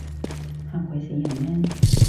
嚇鬼死人咩？